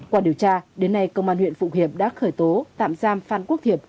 qua điều tra đến nay công an huyện phụng hiệp đã khởi tố tạm giam phan quốc thiệp